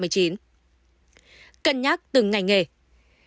cần nhắc từng ngày nghềe